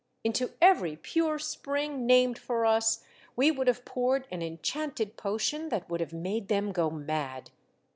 Into every pure spring named for us we would have poured an enchanted potion that would have made them go mad.